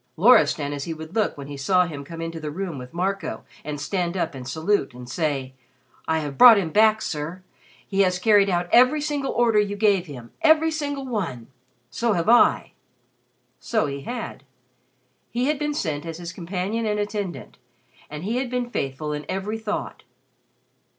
Loristan as he would look when he saw him come into the room with Marco, and stand up and salute, and say: "I have brought him back, sir. He has carried out every single order you gave him every single one. So have I." So he had. He had been sent as his companion and attendant, and he had been faithful in every thought.